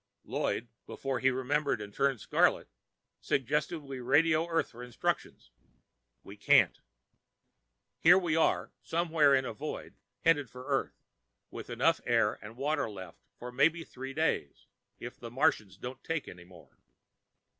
Lloyd, before he remembered and turned scarlet, suggested we radio Earth for instructions. We can't. Here we are, somewhere in a void headed for Earth, with enough air and water left for maybe three days if the Martians don't take any more.